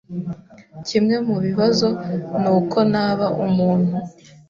Kimwe mu bibazo ni uko naba umuntu.